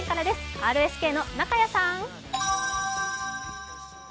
ＲＳＫの中屋さん。